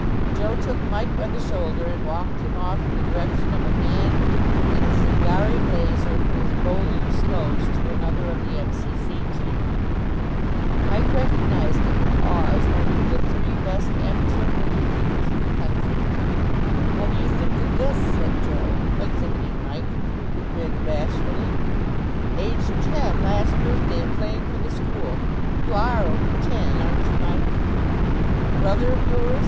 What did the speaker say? Joe took Mike by the shoulder, and walked him off in the direction of a man in a Zingari blazer who was bowling slows to another of the M.C.C. team. Mike recognised him with awe as one of the three best amateur wicket keepers in the country. "What do you think of this?" said Joe, exhibiting Mike, who grinned bashfully. "Aged ten last birthday, and playing for the school. You are only ten, aren't you, Mike?" "Brother of yours?"